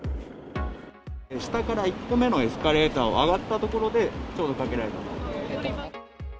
下から１個目のエスカレーターを上がった所で、ちょうどかけられた。